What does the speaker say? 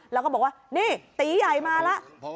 แล้วก็บอกว่านี่ตีใหญ่มาแล้ว